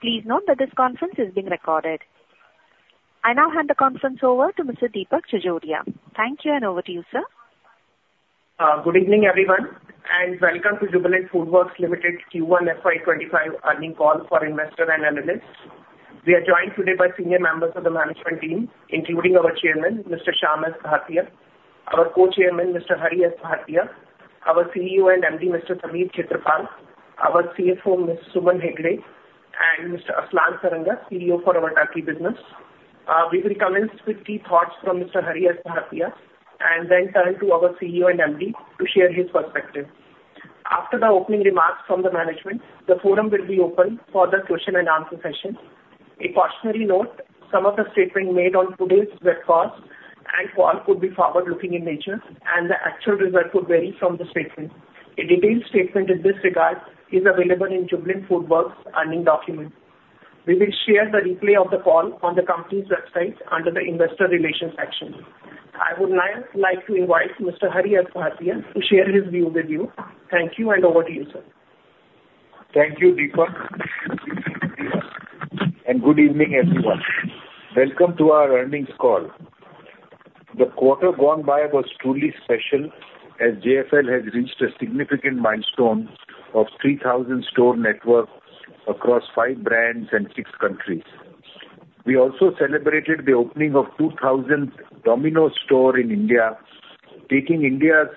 Please note that this conference is being recorded. I now hand the conference over to Mr. Deepak Jajodia. Thank you, and over to you, sir. Good evening, everyone, and welcome to Jubilant FoodWorks Limited Q1 FY25 Earnings Call for Investors and Analysts. We are joined today by senior members of the management team, including our Chairman, Mr. Shyam S. Bhartia, our Co-Chairman, Mr. Hari S. Bhartia, our CEO and MD, Mr. Sameer Khetarpal, our CFO, Ms. Suman Hegde, and Mr. Aslan Saranga, CEO for our Turkey business. We will commence with key thoughts from Mr. Hari S. Bhartia, and then turn to our CEO and MD to share his perspective. After the opening remarks from the management, the forum will be open for the question and answer session. A cautionary note, some of the statements made on today's webcast and call could be forward-looking in nature, and the actual results could vary from the statement. A detailed statement in this regard is available in Jubilant FoodWorks' earnings `release. We will share the replay of the call on the company's website under the Investor Relations section. I would now like to invite Mr. Hari S. Bhartia to share his view with you. Thank you, and over to you, sir. Thank you, Deepak, and good evening, everyone. Welcome to our earnings call. The quarter gone by was truly special, as JFL has reached a significant milestone of 3,000 store network across five brands and six countries. We also celebrated the opening of 2,000 Domino's store in India, taking India's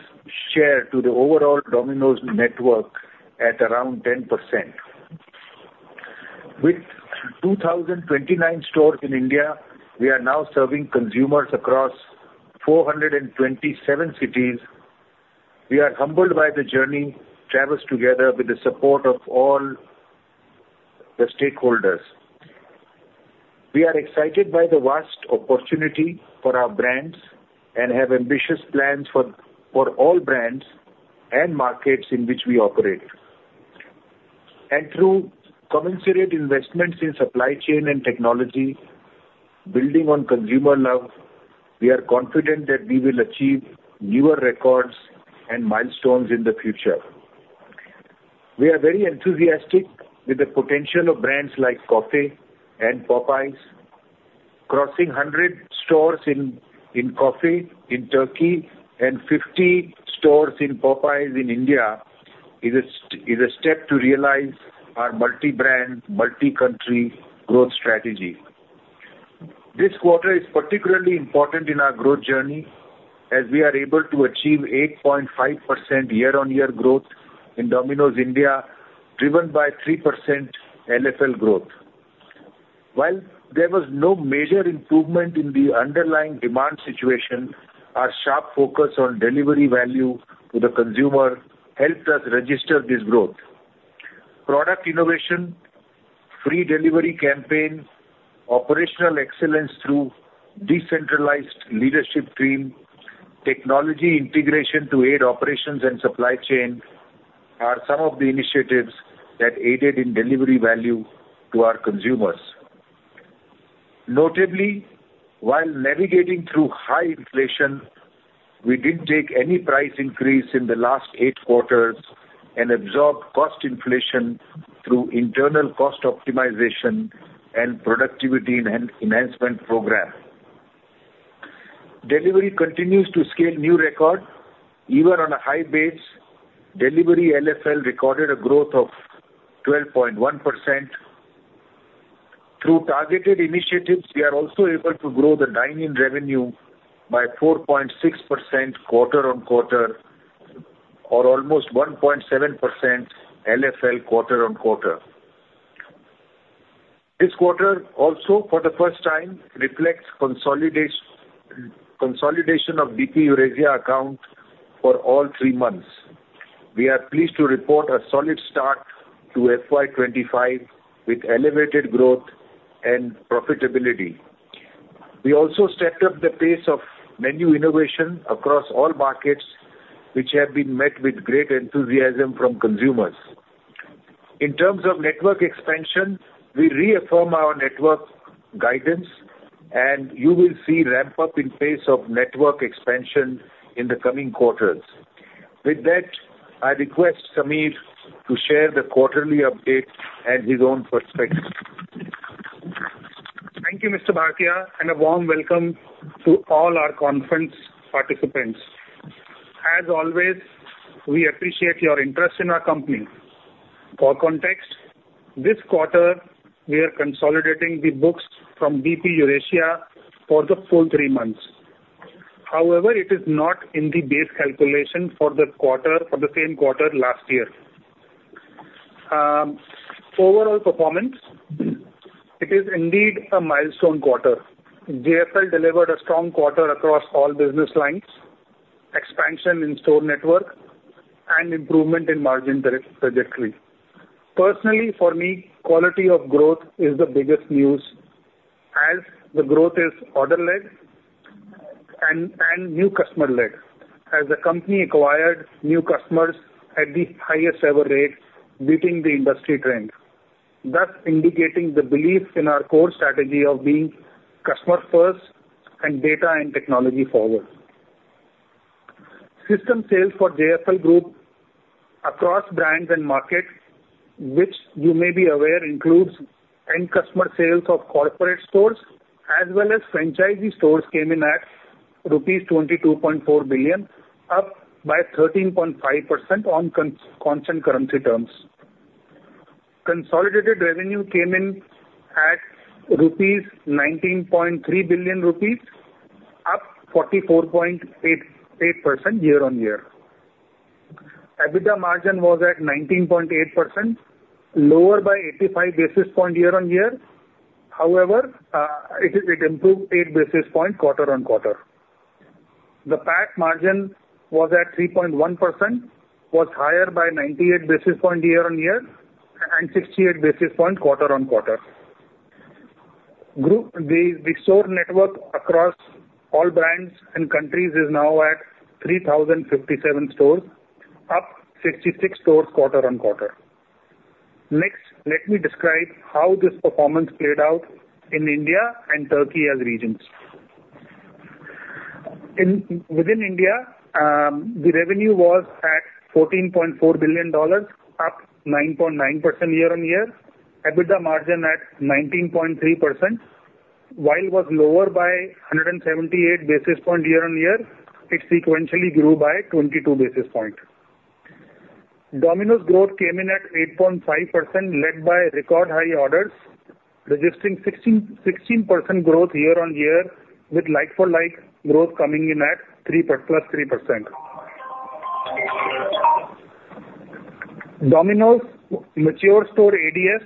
share to the overall Domino's network at around 10%. With 2,029 stores in India, we are now serving consumers across 427 cities. We are humbled by the journey traversed together with the support of all the stakeholders. We are excited by the vast opportunity for our brands and have ambitious plans for all brands and markets in which we operate. Through commensurate investments in supply chain and technology, building on consumer love, we are confident that we will achieve newer records and milestones in the future. We are very enthusiastic with the potential of brands like COFFY and Popeyes. Crossing 100 stores in COFFY in Turkey and 50 stores in Popeyes in India is a step to realize our multi-brand, multi-country growth strategy. This quarter is particularly important in our growth journey, as we are able to achieve 8.5% year-on-year growth in Domino's India, driven by 3% LFL growth. While there was no major improvement in the underlying demand situation, our sharp focus on delivery value to the consumer helped us register this growth. Product innovation, free delivery campaign, operational excellence through decentralized leadership team, technology integration to aid operations and supply chain, are some of the initiatives that aided in delivery value to our consumers. Notably, while navigating through high inflation, we didn't take any price increase in the last 8 quarters and absorbed cost inflation through internal cost optimization and productivity enhancement program. Delivery continues to scale new record. Even on a high base, delivery LFL recorded a growth of 12.1%. Through targeted initiatives, we are also able to grow the dine-in revenue by 4.6% quarter-on-quarter, or almost 1.7% LFL quarter-on-quarter. This quarter also, for the first time, reflects consolidation of DP Eurasia account for all three months. We are pleased to report a solid start to FY 2025 with elevated growth and profitability. We also stepped up the pace of menu innovation across all markets, which have been met with great enthusiasm from consumers. In terms of network expansion, we reaffirm our network guidance, and you will see ramp up in pace of network expansion in the coming quarters. With that, I request Sameer to share the quarterly update and his own perspective. Thank you, Mr. Bhartia, and a warm welcome to all our conference participants. As always, we appreciate your interest in our company. For context, this quarter, we are consolidating the books from DP Eurasia for the full three months. However, it is not in the base calculation for the quarter, for the same quarter last year. Overall performance, it is indeed a milestone quarter. JFL delivered a strong quarter across all business lines, expansion in store network, and improvement in margin direct trajectory. Personally, for me, quality of growth is the biggest news, as the growth is order-led and, and new customer-led, as the company acquired new customers at the highest ever rate, beating the industry trend. Thus, indicating the belief in our core strategy of being customer first and data and technology forward. System sales for JFL Group across brands and markets, which you may be aware, includes end customer sales of corporate stores as well as franchisee stores, came in at INR 22.4 billion, up by 13.5% on constant currency terms. Consolidated revenue came in at 19.3 billion rupees, up 44.8% year-on-year. EBITDA margin was at 19.8%, lower by 85 basis points year-on-year. However, it improved 8 basis points quarter-on-quarter. The PAT margin was at 3.1%, was higher by 98 basis points year-on-year, and 68 basis points quarter-on-quarter. Group, the store network across all brands and countries is now at 3,057 stores, up 66 stores quarter-on-quarter. Next, let me describe how this performance played out in India and Turkey as regions. Within India, the revenue was at INR 14.4 billion, up 9.9% year-on-year. EBITDA margin at 19.3%. While it was lower by 178 basis points year-on-year, it sequentially grew by 22 basis points. Domino's growth came in at 8.5%, led by record high orders, registering 16% growth year-on-year, with like-for-like growth coming in at +3%. Domino's mature store ADS,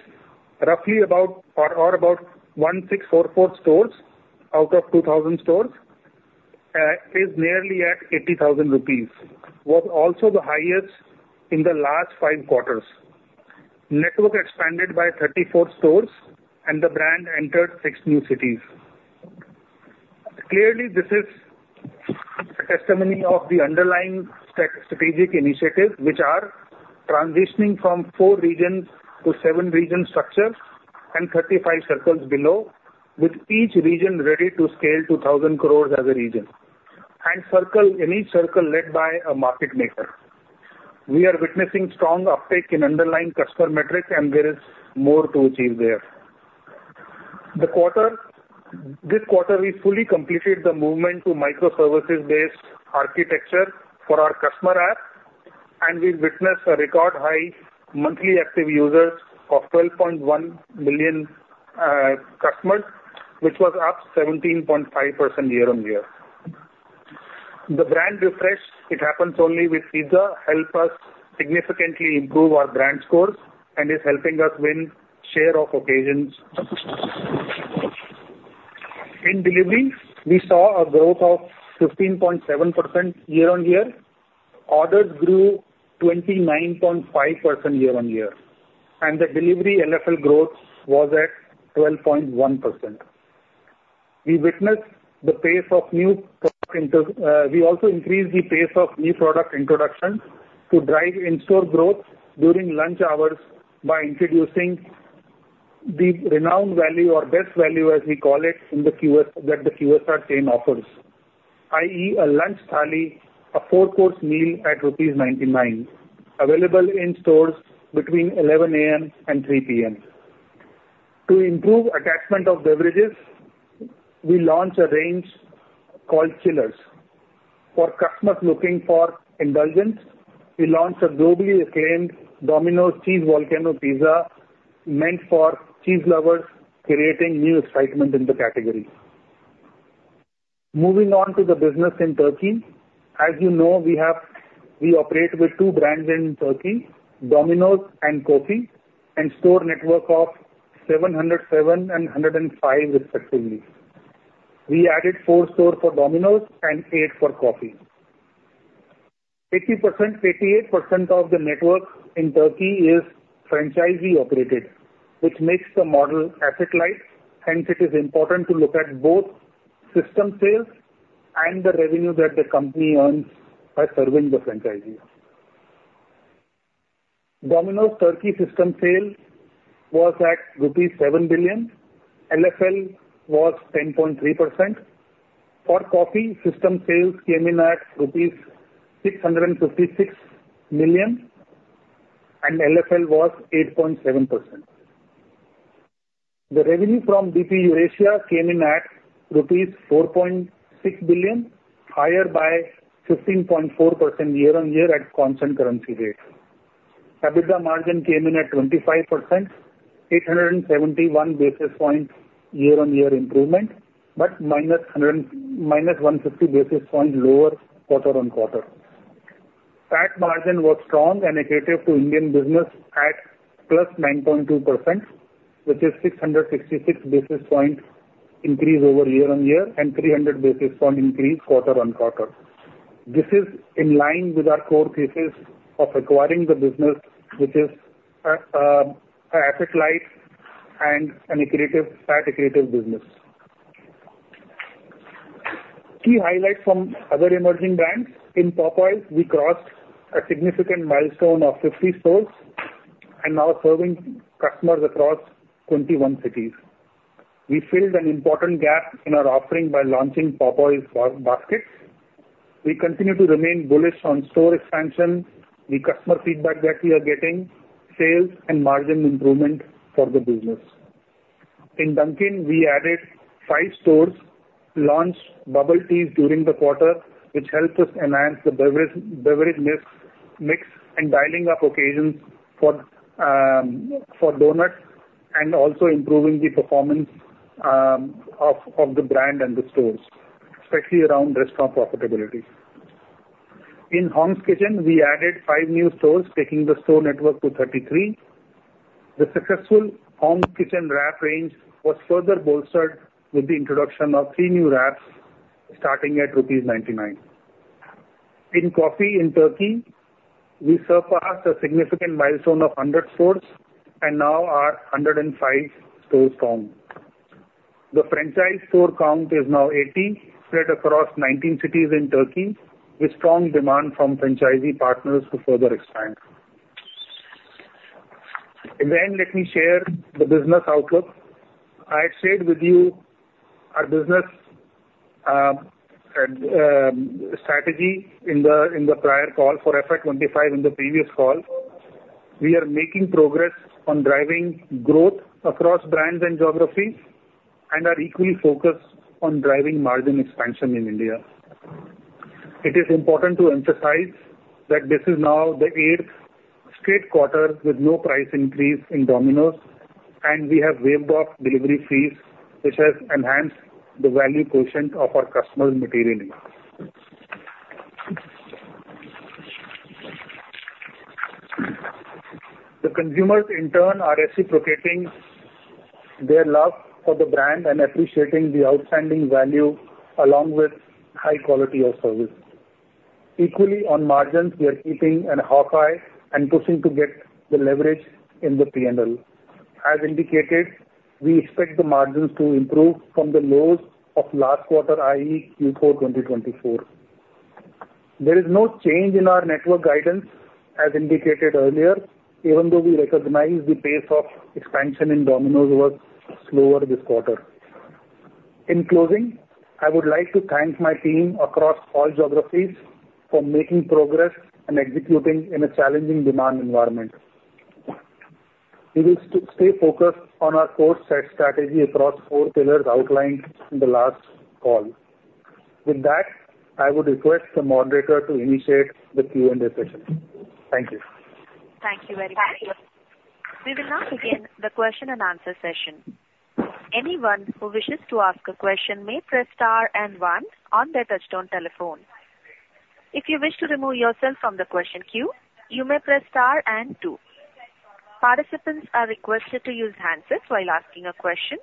roughly about 1,644 stores out of 2,000 stores, is nearly at 80,000 rupees, was also the highest in the last 5 quarters. Network expanded by 34 stores, and the brand entered 6 new cities. Clearly, this is a testimony of the underlying strategic initiatives, which are transitioning from 4 regions to 7 region structures and 35 circles below, with each region ready to scale to 1,000 crore as a region, and circle, in each circle led by a market maker. We are witnessing strong uptake in underlying customer metrics, and there is more to achieve there. The quarter, this quarter, we fully completed the movement to microservices-based architecture for our customer app, and we've witnessed a record high monthly active users of 12.1 million customers, which was up 17.5% year-on-year. The brand refresh, it happens only with pizza, help us significantly improve our brand scores and is helping us win share of occasions. In delivery, we saw a growth of 15.7% year-on-year. Orders grew 29.5% year-on-year, and the delivery LFL growth was at 12.1%. We also increased the pace of new product introductions to drive in-store growth during lunch hours by introducing the renowned value or best value, as we call it, in the QSR, that the QSR chain offers, i.e., a lunch thali, a four-course meal at rupees 99, available in stores between 11 A.M. and 3 P.M. To improve attachment of beverages, we launched a range called Chillers. For customers looking for indulgence, we launched a globally acclaimed Domino's Cheese Volcano pizza meant for cheese lovers, creating new excitement in the category. Moving on to the business in Turkey. As you know, we have-- we operate with two brands in Turkey, Domino's and COFFY, and store network of 707 and 105, respectively. We added 4 stores for Domino's and 8 for COFFY. 80%, 88% of the network in Turkey is franchisee-operated, which makes the model asset light, hence it is important to look at both system sales and the revenue that the company earns by serving the franchisee. Domino's Turkey system sales was at rupee 7 billion. LFL was 10.3%. For COFFY, system sales came in at INR 656 million, and LFL was 8.7%. The revenue from DP Eurasia came in at rupees 4.6 billion, higher by 15.4% year-on-year at constant currency rate. EBITDA margin came in at 25%, 871 basis points year-on-year improvement, but -100, -150 basis points lower quarter-on-quarter. PAT margin was strong and accretive to Indian business at +9.2%, which is 666 basis points increase over year-on-year and 300 basis point increase quarter-on-quarter. This is in line with our core thesis of acquiring the business, which is, asset light and an accretive, accretive business. Key highlights from other emerging brands. In Popeyes, we crossed a significant milestone of 50 stores and now serving customers across 21 cities. We filled an important gap in our offering by launching Popeyes Baskets. We continue to remain bullish on store expansion, the customer feedback that we are getting, sales and margin improvement for the business. In Dunkin', we added 5 stores, launched Bubble Tea during the quarter, which helped us enhance the beverage mix and dialing up occasions for donuts, and also improving the performance of the brand and the stores, especially around restaurant profitability. In Hong's Kitchen, we added 5 new stores, taking the store network to 33. The successful Hong's Kitchen wrap range was further bolstered with the introduction of 3 new wraps, starting at rupees 99. In COFFY in Turkey, we surpassed a significant milestone of 100 stores and now are 105 stores strong. The franchise store count is now 80, spread across 19 cities in Turkey, with strong demand from franchisee partners to further expand. Let me share the business outlook. I had shared with you our business strategy in the prior call for FY 25, in the previous call. We are making progress on driving growth across brands and geographies, and are equally focused on driving margin expansion in India. It is important to emphasize that this is now the eighth straight quarter with no price increase in Domino's, and we have waived off delivery fees, which has enhanced the value quotient of our customers materially. The consumers, in turn, are reciprocating their love for the brand and appreciating the outstanding value along with high quality of service. Equally, on margins, we are keeping a hawk eye and pushing to get the leverage in the PNL. As indicated, we expect the margins to improve from the lows of last quarter, i.e., Q4 2024. There is no change in our network guidance as indicated earlier, even though we recognize the pace of expansion in Domino's was slower this quarter. In closing, I would like to thank my team across all geographies for making progress and executing in a challenging demand environment. We will stay focused on our core set strategy across four pillars outlined in the last call. With that, I would request the moderator to initiate the Q&A session. Thank you. Thank you very much. We will now begin the question and answer session. Anyone who wishes to ask a question may press star and one on their touchtone telephone. If you wish to remove yourself from the question queue, you may press star and two. Participants are requested to use handsets while asking a question.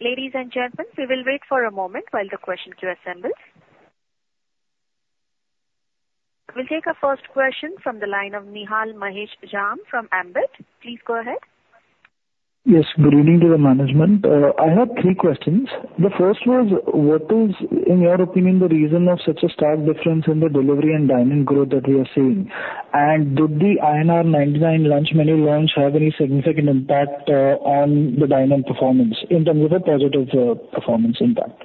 Ladies and gentlemen, we will wait for a moment while the question queue assembles. We'll take our first question from the line of Nihal Mahesh Jham from Ambit. Please go ahead. Yes, good evening to the management. I have three questions. The first was: What is, in your opinion, the reason of such a stark difference in the delivery and dine-in growth that we are seeing? And did the INR 99 lunch menu launch have any significant impact, on the dine-in performance in terms of a positive, performance impact?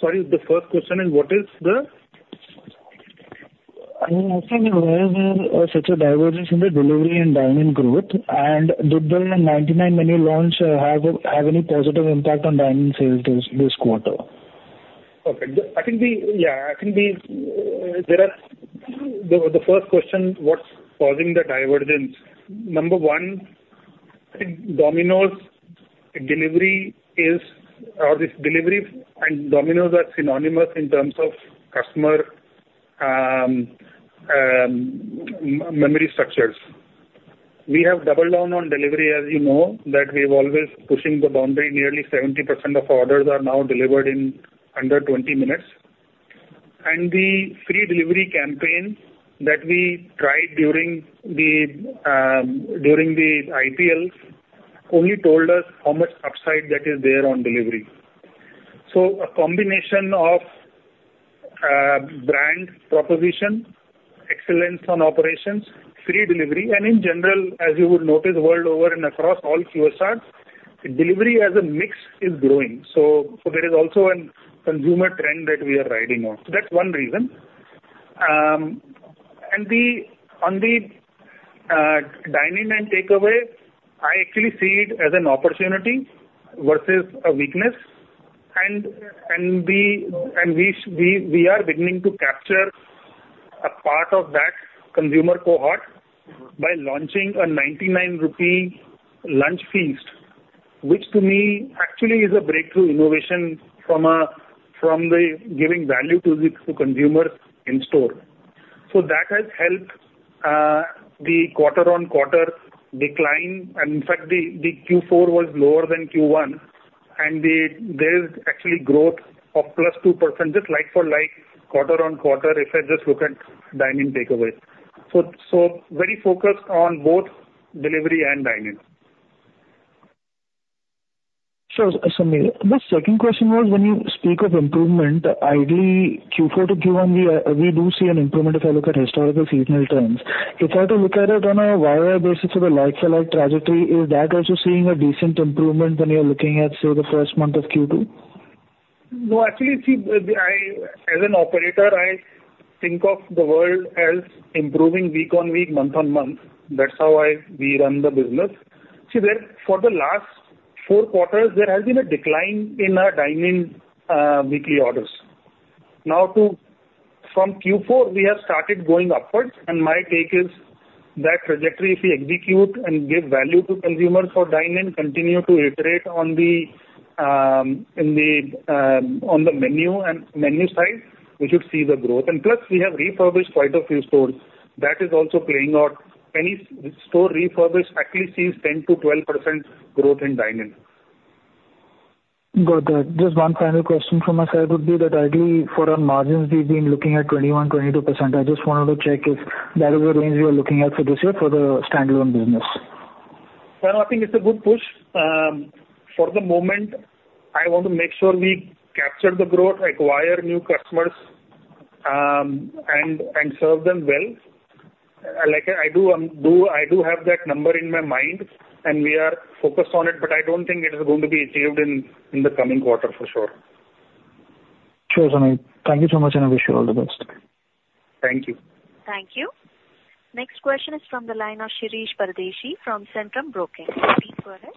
Sorry, the first question is, what is the? I'm asking why is there such a divergence in the delivery and dine-in growth? And did the 99 menu launch have any positive impact on dine-in sales this quarter? Okay. I think the first question, what's causing the divergence? Number one, Domino's delivery is, or this delivery and Domino's are synonymous in terms of customer memory structures. We have doubled down on delivery, as you know, that we're always pushing the boundary. Nearly 70% of orders are now delivered in under 20 minutes. And the free delivery campaign that we tried during the IPLs only told us how much upside that is there on delivery. So a combination of brand proposition, excellence on operations, free delivery, and in general, as you would notice, world over and across all QR charts, delivery as a mix is growing. So there is also a consumer trend that we are riding on. So that's one reason. And on the dine-in and takeaway, I actually see it as an opportunity versus a weakness. And we are beginning to capture a part of that consumer cohort by launching a 99 rupee Lunch Feast, which to me actually is a breakthrough innovation from the giving value to the consumer in store. So that has helped the quarter-on-quarter decline. And in fact, Q4 was lower than Q1, and there is actually growth of +2%, just like-for-like, quarter-on-quarter, if I just look at dine-in takeaway. So very focused on both delivery and dine-in. Sure, Sameer. The second question was, when you speak of improvement, ideally Q4 to Q1, we, we do see an improvement if I look at historical seasonal trends. If I have to look at it on a year-on-year basis or the like-for-like trajectory, is that also seeing a decent improvement when you're looking at, say, the first month of Q2? No, actually, see, as an operator, I think of the world as improving week-on-week, month-on-month. That's how we run the business. See, there, for the last four quarters, there has been a decline in our dine-in weekly orders. Now, from Q4, we have started going upwards, and my take is that trajectory, if we execute and give value to consumers for dine-in, continue to iterate on the menu and menu side, we should see the growth. And plus, we have refurbished quite a few stores. That is also playing out. Any store refurbished at least sees 10%-12% growth in dine-in. Got that. Just one final question from my side would be that ideally for our margins, we've been looking at 21%-22%. I just wanted to check if that is the range you are looking at for this year for the standalone business. Well, I think it's a good push. For the moment, I want to make sure we capture the growth, acquire new customers, and serve them well. Like, I do have that number in my mind, and we are focused on it, but I don't think it is going to be achieved in the coming quarter for sure. Sure, Sameer. Thank you so much, and I wish you all the best. Thank you. Thank you. Next question is from the line of Shirish Pardeshi from Centrum Broking. Please go ahead.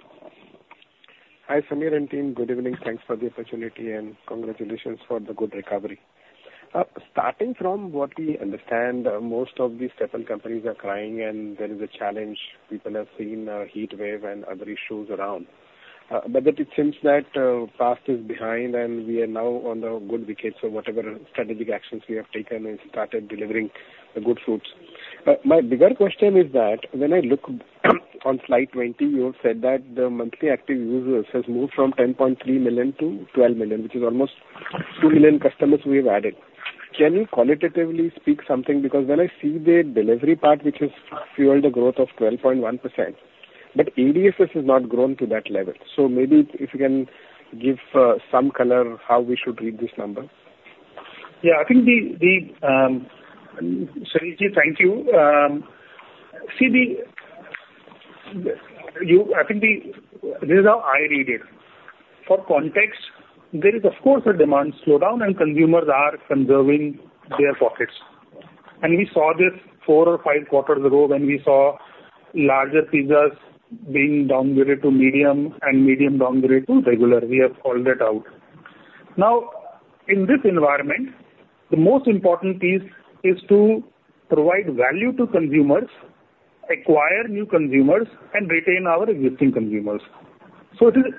Hi, Sameer and team. Good evening. Thanks for the opportunity, and congratulations for the good recovery. Starting from what we understand, most of these step-in companies are crying and there is a challenge. People have seen heatwave and other issues around. But it seems that past is behind and we are now on the good wicket, so whatever strategic actions we have taken, it started delivering the good fruits. My bigger question is that when I look on slide 20, you have said that the monthly active users has moved from 10.3 million to 12 million, which is almost 2 million customers we have added. Can you qualitatively speak something? Because when I see the delivery part, which has fueled the growth of 12.1%, but ADS has not grown to that level. So maybe if you can give some color, how we should read this number? Yeah, I think Shirish, thank you. See, I think this is how I read it. For context, there is of course a demand slowdown, and consumers are conserving their pockets. And we saw this four or five quarters ago when we saw larger pizzas being downgraded to medium and medium downgraded to regular. We have called that out. Now, in this environment, the most important piece is to provide value to consumers, acquire new consumers, and retain our existing consumers. So it is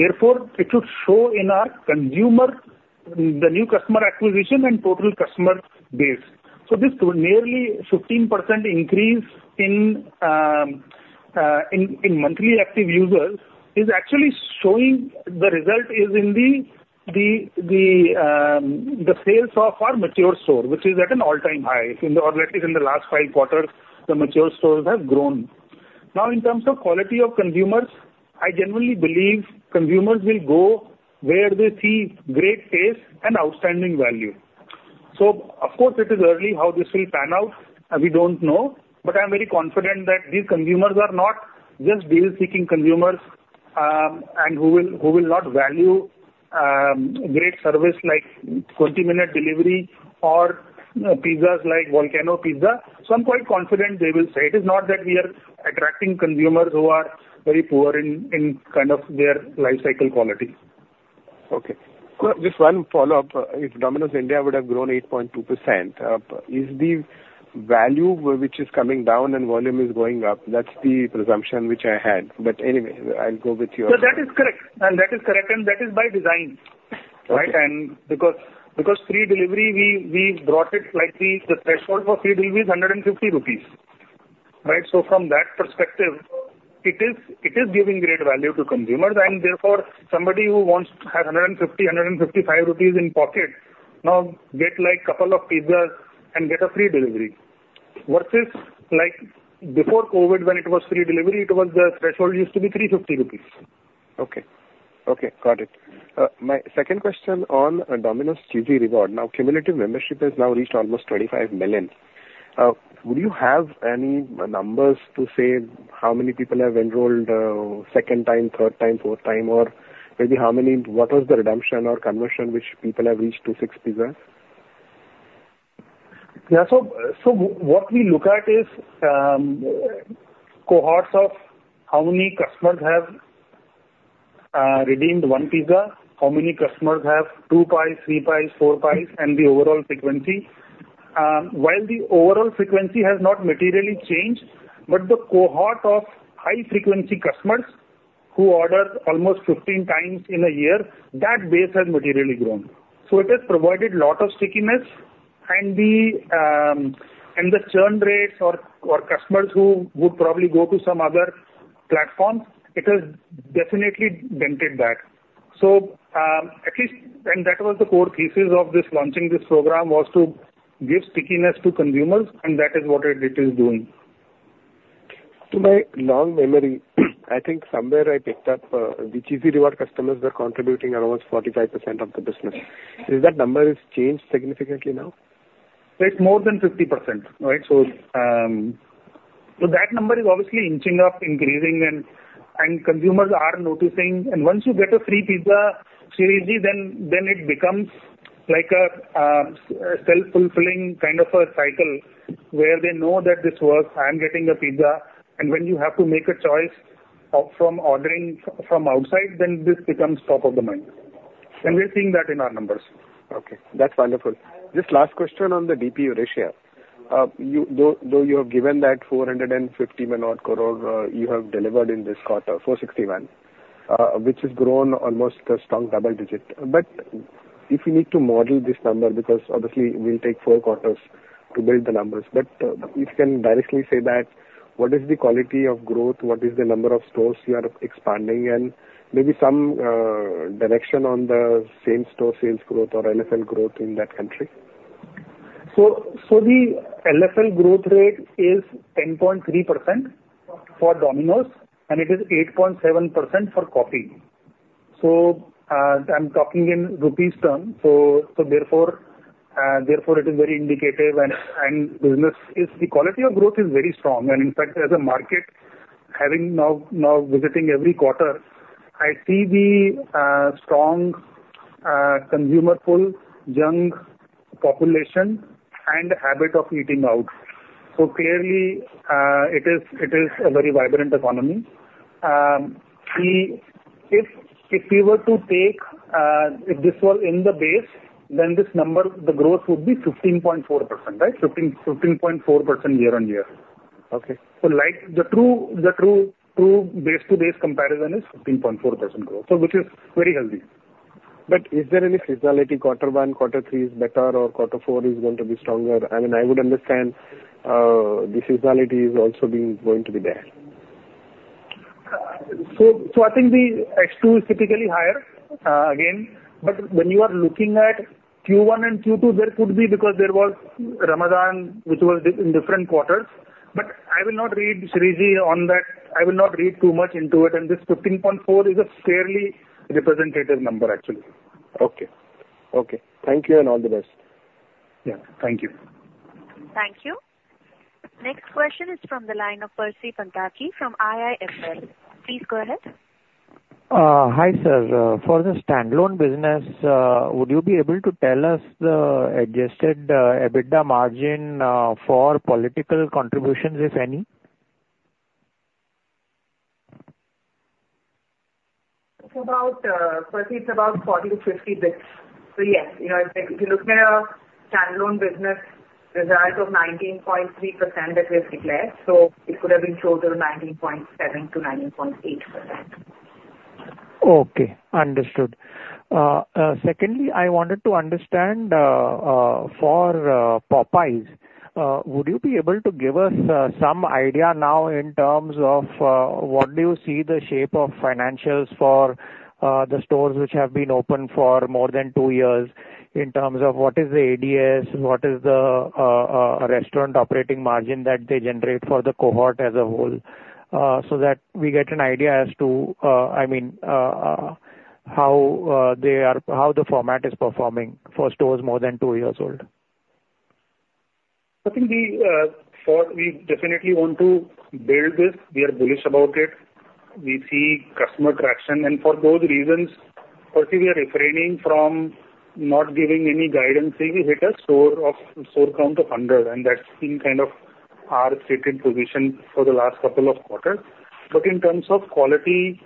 therefore it should show in our consumer the new customer acquisition and total customer base. So this nearly 15% increase in monthly active users is actually showing the result is in the sales of our mature store, which is at an all-time high. Or at least in the last five quarters, the mature stores have grown. Now, in terms of quality of consumers, I generally believe consumers will go where they see great taste and outstanding value. So of course, it is early how this will pan out, and we don't know, but I'm very confident that these consumers are not just deal-seeking consumers, and who will, who will not value great service like 20-minute delivery or pizzas like Volcano Pizza. So I'm quite confident they will say it is not that we are attracting consumers who are very poor in kind of their life cycle quality. Okay. Just one follow-up. If Domino's India would have grown 8.2%, is the value which is coming down and volume is going up, that's the presumption which I had. But anyway, I'll go with your- No, that is correct, and that is correct, and that is by design. Right, and because, because free delivery, we, we brought it slightly, the threshold for free delivery is 150 rupees, right? So from that perspective, it is, it is giving great value to consumers, and therefore, somebody who wants to have 150, 155 rupees in pocket now get like couple of pizzas and get a free delivery. Versus like before COVID, when it was free delivery, it was the threshold used to be 350 rupees. Okay. Okay, got it. My second question on Domino's Cheesy Rewards. Now, cumulative membership has now reached almost 25 million. Would you have any numbers to say how many people have enrolled second time, third time, fourth time, or maybe how many, what was the redemption or conversion which people have reached to six pizzas? Yeah. So, so what we look at is, cohorts of how many customers have, redeemed one pizza, how many customers have two pies, three pies, four pies, and the overall frequency. While the overall frequency has not materially changed, but the cohort of high-frequency customers who order almost 15 times in a year, that base has materially grown. So it has provided a lot of stickiness and the, and the churn rates or, customers who would probably go to some other platform, it has definitely dented that. So, at least, and that was the core thesis of this launching this program, was to give stickiness to consumers, and that is what it is doing. To my long memory, I think somewhere I picked up, the Cheesy Rewards customers were contributing almost 45% of the business. Has that number changed significantly now? It's more than 50%, right? So, so that number is obviously inching up, increasing, and consumers are noticing. And once you get a free pizza, Sriji, then it becomes like a, a self-fulfilling kind of a cycle, where they know that this works, I am getting a pizza. And when you have to make a choice of from ordering from outside, then this becomes top of the mind, and we are seeing that in our numbers. Okay, that's wonderful. Just last question on the DP Eurasia. You, though you have given that 450 million crore, you have delivered in this quarter, 461 crore, which has grown almost a strong double digit. If you need to model this number, because obviously it will take four quarters to build the numbers, if you can directly say that, what is the quality of growth? What is the number of stores you are expanding? Maybe some direction on the same store sales growth or LFL growth in that country. The LFL growth rate is 10.3% for Domino's, and it is 8.7% for Popeyes. I'm talking in rupees terms. Therefore, it is very indicative and business is. The quality of growth is very strong. And in fact, as a market, having now visiting every quarter, I see the strong consumer pool, young population, and the habit of eating out. Clearly, it is a very vibrant economy. We - if we were to take, if this was in the base, then this number, the growth would be 15.4%, right? 15.4% year-on-year. Okay. Like, the true base to base comparison is 15.4% growth, so which is very healthy. But is there any seasonality, quarter one, quarter three is better, or quarter four is going to be stronger? I mean, I would understand, the seasonality is also going to be there. So, I think the Q2 is typically higher, again. But when you are looking at Q1 and Q2, there could be because there was Ramadan, which was in different quarters. But I will not read, Shirish, on that. I will not read too much into it, and this 15.4 is a fairly representative number, actually. Okay. Okay, thank you, and all the best. Yeah, thank you. Thank you. Next question is from the line of Percy Panthaki from IIFL. Please go ahead. Hi, sir. For the standalone business, would you be able to tell us the adjusted EBITDA margin for political contributions, if any? It's about, Percy, it's about 40-50 bits. So yes, you know, if, if you're looking at a standalone business result of 19.3% that we've declared, so it could have been closer to 19.7%-19.8%. Okay, understood. Secondly, I wanted to understand for Popeyes, would you be able to give us some idea now in terms of what do you see the shape of financials for the stores which have been open for more than two years, in terms of what is the ADS, what is the restaurant operating margin that they generate for the cohort as a whole? So that we get an idea as to, I mean, how they are - how the format is performing for stores more than two years old. I think we definitely want to build this. We are bullish about it. We see customer traction, and for those reasons, Percy, we are refraining from not giving any guidance till we hit a store count of 100, and that's been kind of our stated position for the last couple of quarters. But in terms of quality,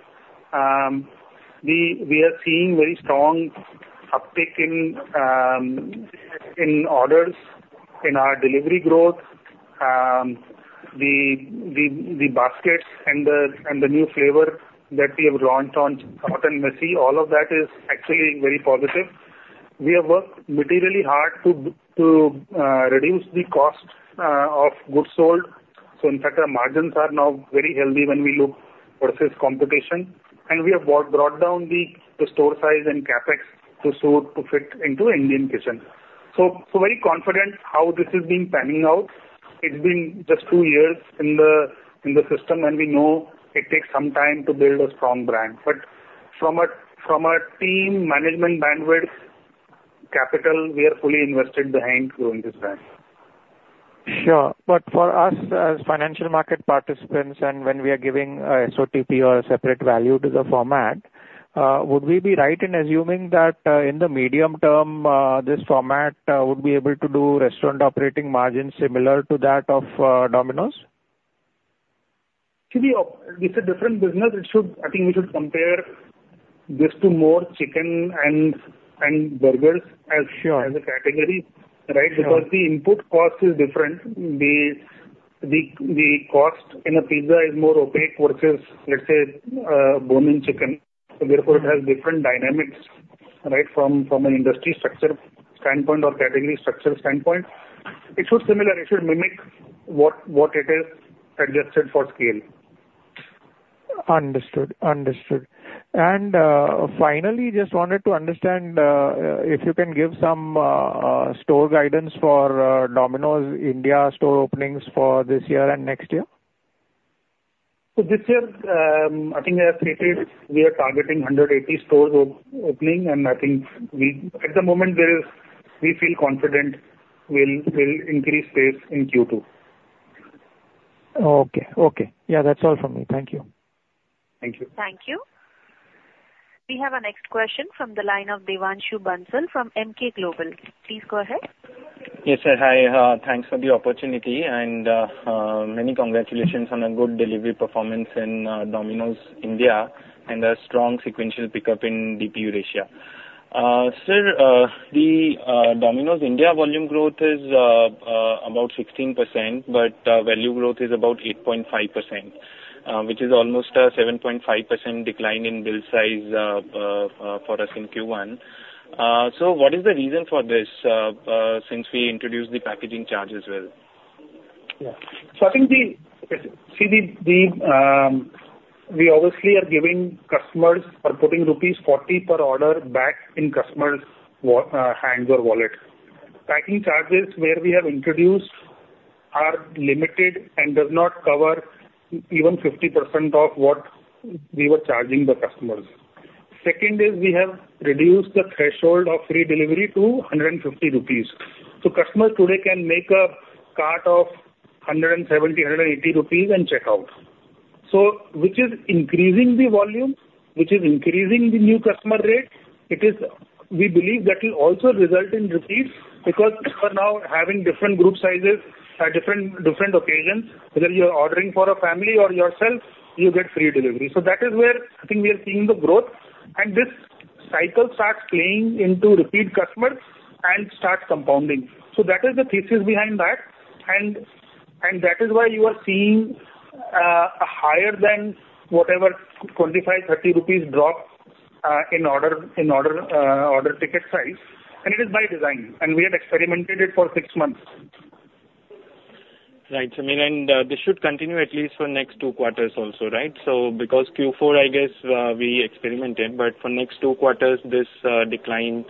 we are seeing very strong uptick in orders, in our delivery growth. The baskets and the new flavor that we have launched on Hot and Messy, all of that is actually very positive. We have worked materially hard to reduce the cost of goods sold. So in fact, our margins are now very healthy when we look versus competition, and we have brought down the store size and CapEx to suit, to fit into Indian kitchen. So very confident how this has been panning out. It's been just two years in the system, and we know it takes some time to build a strong brand. But from a team management bandwidth capital, we are fully invested behind growing this brand. Sure. But for us as financial market participants, and when we are giving a SOTP or a separate value to the format, would we be right in assuming that, in the medium term, this format would be able to do restaurant operating margins similar to that of Domino's? It's a different business. I think we should compare this to more chicken and burgers as- Sure. As a category, right? Sure. Because the input cost is different. The cost in a pizza is more opaque versus, let's say, bone-in chicken. So therefore, it has different dynamics, right? From an industry structure standpoint or category structure standpoint. It should similar, it should mimic what it is adjusted for scale. Understood, understood. And, finally, just wanted to understand, if you can give some store guidance for Domino's India store openings for this year and next year? So this year, I think as stated, we are targeting 180 stores opening, and I think at the moment, we feel confident we'll increase pace in Q2. Okay, okay. Yeah, that's all from me. Thank you. Thank you. Thank you. We have our next question from the line of Devanshu Bansal from Emkay Global. Please go ahead. Yes, sir. Hi, thanks for the opportunity, and many congratulations on a good delivery performance in Domino's India, and a strong sequential pickup in DP Eurasia. Sir, the Domino's India volume growth is about 16%, but value growth is about 8.5%, which is almost a 7.5% decline in bill size for us in Q1. So what is the reason for this, since we introduced the packaging charge as well? Yeah. So I think we obviously are giving customers or putting rupees 40 per order back in customers' hands or wallets. Packing charges, where we have introduced, are limited and does not cover even 50% of what we were charging the customers. Second is we have reduced the threshold of free delivery to 150 rupees. So customers today can make a cart of 170-180 rupees and check out. So, which is increasing the volume, which is increasing the new customer rate, it is we believe that will also result in repeats, because people are now having different group sizes at different occasions. Whether you're ordering for a family or yourself, you get free delivery. So that is where I think we are seeing the growth, and this cycle starts playing into repeat customers and starts compounding. So that is the thesis behind that, and, and that is why you are seeing, a higher than whatever 25-30 rupees drop, in order, in order, order ticket size, and it is by design, and we have experimented it for six months. Right, Samir, and this should continue at least for next two quarters also, right? So because Q4, I guess, we experimented, but for next two quarters, this decline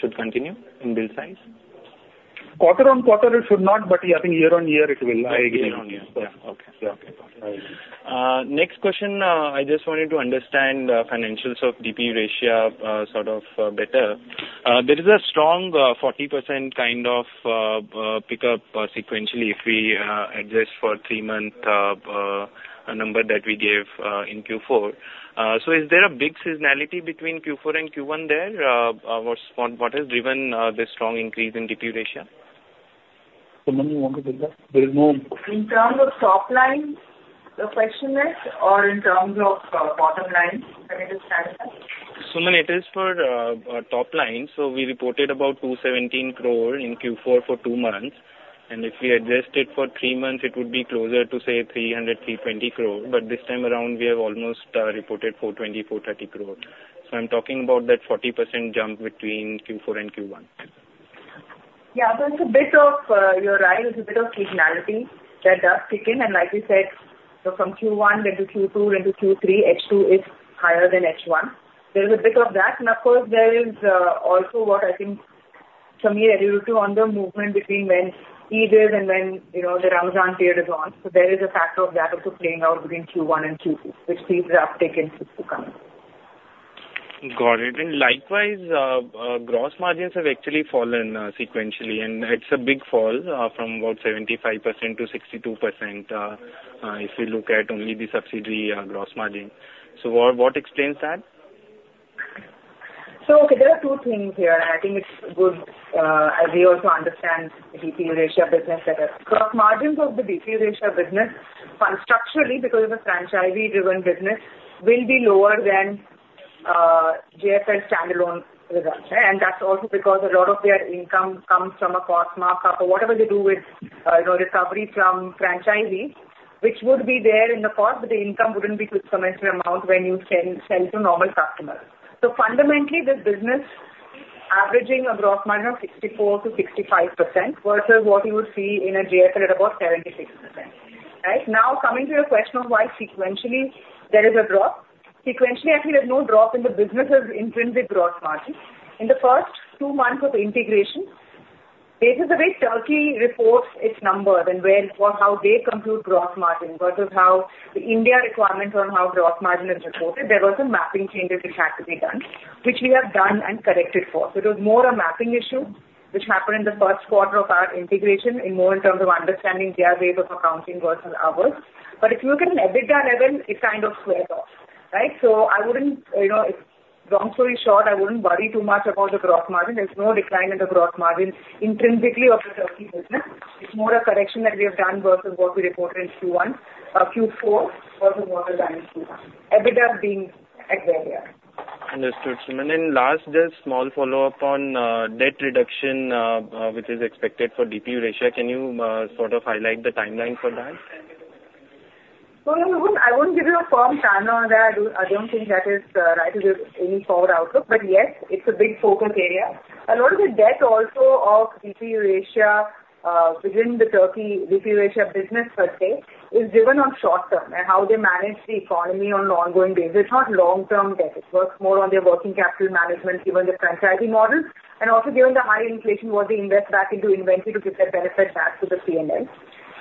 should continue in bill size? Quarter-on-quarter, it should not, but yeah, I think year-on-year, it will. Year on year. Yeah, okay. Yeah, okay. Next question, I just wanted to understand the financials of DP Eurasia, sort of, better. There is a strong 40% kind of pickup sequentially, if we adjust for three-month number that we gave in Q4. So is there a big seasonality between Q4 and Q1 there? What has driven this strong increase in DP Eurasia? Suman, you want to take that? There is no- In terms of top line, the question is, or in terms of, bottom line? Can I just clarify. Suman, it is for top line. So we reported about 217 crore in Q4 for two months, and if we adjust it for three months, it would be closer to, say, 300-320 crore, but this time around we have almost reported 420-430 crore. So I'm talking about that 40% jump between Q4 and Q1. Yeah, so it's a bit of, you're right, it's a bit of seasonality that does kick in, and like we said, so from Q1 into Q2, into Q3, H2 is higher than H1. There is a bit of that, and of course, there is also what I think Sameer alluded to on the movement between when Eid is and when, you know, the Ramadan period is on. So there is a factor of that also playing out between Q1 and Q2, which sees the uptick in Q coming. Got it. And likewise, gross margins have actually fallen sequentially, and it's a big fall from about 75% to 62% if you look at only the subsidiary gross margin. So what explains that? So there are two things here, and I think it's good, as we also understand DP Eurasia business better. Gross margins of the DP Eurasia business, structurally, because it's a franchisee-driven business, will be lower than, JFL's standalone results. And that's also because a lot of their income comes from a cost markup or whatever they do with, you know, recovery from franchisees, which would be there in the cost, but the income wouldn't be to some extent amount when you sell, sell to normal customers. So fundamentally, this business averaging a gross margin of 64%-65% versus what you would see in a JFL at about 76%. Right? Now, coming to your question of why sequentially there is a drop. Sequentially, actually, there's no drop in the business's intrinsic gross margin. In the first two months of integration, based on the way Turkey reports its numbers and where, or how they conclude gross margin versus how the India requirements on how gross margin is reported, there was a mapping changes which had to be done, which we have done and corrected for. So it was more a mapping issue, which happened in the first quarter of our integration in more in terms of understanding their ways of accounting versus ours. But if you look at an EBITDA level, it kind of squares off, right? So I wouldn't, you know, long story short, I wouldn't worry too much about the gross margin. There's no decline in the gross margin intrinsically of the Turkey business. It's more a correction that we have done versus what we reported in Q1, Q4 versus what was done in Q1. EBITDA being at where we are. Understood, Suman. And last, just small follow-up on debt reduction, which is expected for DP Eurasia. Can you sort of highlight the timeline for that? So I wouldn't, I wouldn't give you a firm timeline on that. I do-- I don't think that is right to give any forward outlook. But yes, it's a big focus area. A lot of the debt also of DP Eurasia, within the Turkey DP Eurasia business per se, is driven on short term and how they manage the economy on an ongoing basis. It's not long-term debt. It works more on their working capital management, given the franchising model, and also given the high inflation, what they invest back into inventory to give that benefit back to the P&L.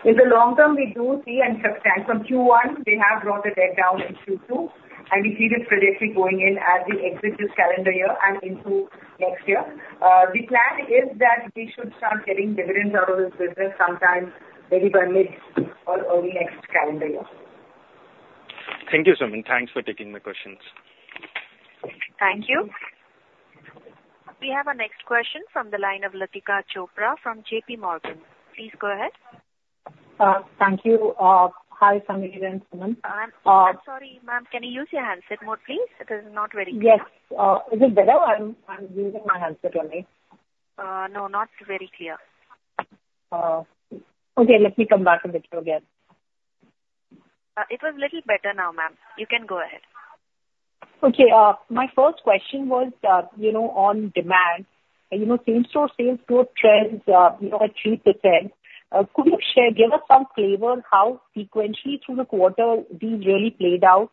In the long term, we do see and substantial Q1, they have brought the debt down in Q2, and we see this trajectory going in as we exit this calendar year and into next year. The plan is that we should start getting dividends out of this business sometime maybe by mid or early next calendar year. Thank you, Suman. Thanks for taking my questions. Thank you. We have our next question from the line of Latika Chopra from J.P. Morgan. Please go ahead. Thank you. Hi, Sameer and Suman. I'm sorry, ma'am, can you use your handset more, please? It is not very clear. Yes. Is it better? I'm using my handset only. No, not very clear. Okay, let me come back a little again. It was little better now, ma'am. You can go ahead. Okay. My first question was, you know, on demand. You know, same-store sales growth trends, you know, at 3%. Could you share, give us some flavor, how sequentially through the quarter, these really played out?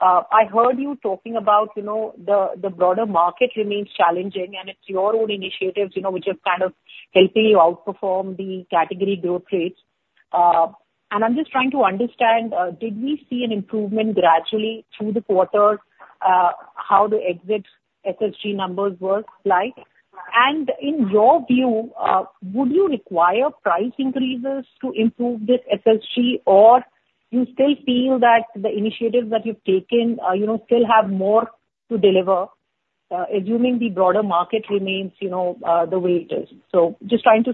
I heard you talking about, you know, the broader market remains challenging, and it's your own initiatives, you know, which are kind of helping you outperform the category growth rates. And I'm just trying to understand, did we see an improvement gradually through the quarter, how the exit SSG numbers were like? And in your view, would you require price increases to improve this SSG, or you still feel that the initiatives that you've taken, you know, still have more to deliver, assuming the broader market remains, you know, the way it is? Just trying to